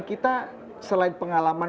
kita selain pengalaman